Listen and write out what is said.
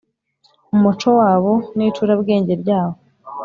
umuco wabo n icurabwenge ryabo